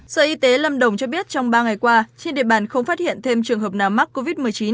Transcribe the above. sở y tế lâm đồng cho biết trong ba ngày qua trên địa bàn không phát hiện thêm trường hợp nào mắc covid một mươi chín